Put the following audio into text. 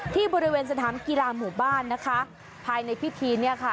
ที่บริเวณสนามกีฬาหมู่บ้านนะคะภายในพิธีเนี่ยค่ะ